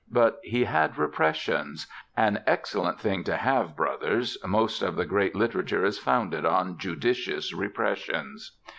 But he had Repressions (an excellent thing to have, brothers. Most of the great literature is founded on judicious repressions).